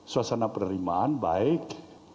suasana penerimaan baik